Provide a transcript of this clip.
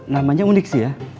namanya unik sih ya